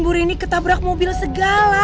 bu rini ketabrak mobil segala